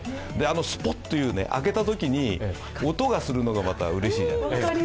スポッていう、開けたときに音がするのがまたうれしいじゃない。